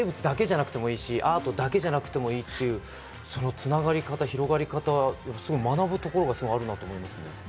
生物だけじゃなくてもいいし、アートだけじゃなくてもいいっていうその繋がり方、広がり方、学ぶところがすごいあるなと思いますね。